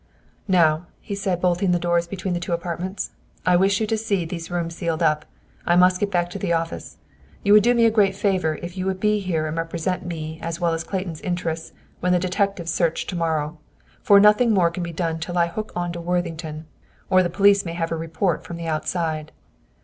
"Now," said he, bolting the doors between the two apartments, "I wish to have you see these rooms sealed up! I must get back to the office. You would do me a great favor if you would be here and represent me as well as Clayton's interests when the detectives search to morrow. For nothing more can be done till I hook on to Worthington, or the police may have a report from the outside.